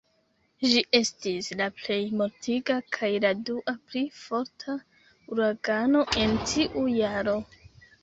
Ĝi estis la plej mortiga kaj la dua pli forta uragano en tiu jaro.